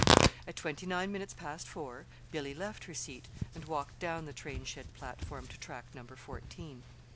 At twenty nine minutes past four Billy left her seat and walked down the train shed platform to Track Number Fourteen.